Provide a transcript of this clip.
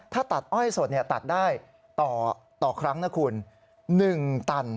ถ้าตัดอ้อยสดตัดได้ต่อครั้งนะคุณ๑ตัน